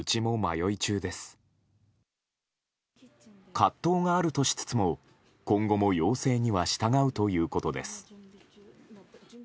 葛藤があるとしつつも今後も要請には従うということです。